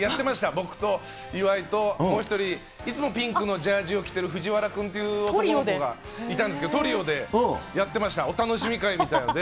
僕と岩井ともう一人、いつもピンクのジャージを着ているふじわら君っていう男の子がいたんですけど、トリオでやってました、お楽しみ会みたいので。